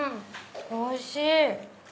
おいしい！